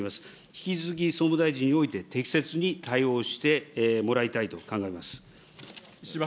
引き続き総務大臣において適切に対応してもらいたいと考えます。